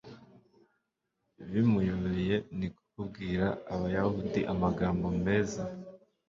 bimuyobeye ni ko kubwira abayahudi amagambo meza